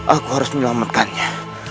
aku harus menyelamatkannya